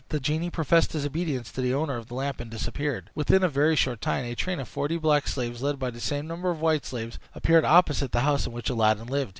The genie professed his obedience to the owner of the lamp, and disappeared. Within a very short time, a train of forty black slaves, led by the same number of white slaves, appeared opposite the house in which Aladdin lived.